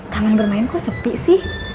taman bacaan kok sepi sih